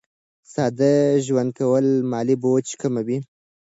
ساده ژوند کول مالي بوج کموي.